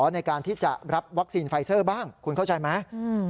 ในการที่จะรับวัคซีนไฟเซอร์บ้างคุณเข้าใจไหม